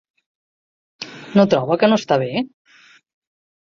No troba que no està bé?